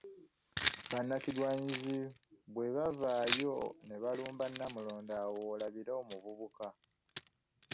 Bannakigwanyizi bwebavaayo nebalumba Namulondo awo woolabira omuvubuka.